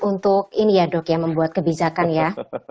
untuk ini ya dok ya membuat kebijakan ya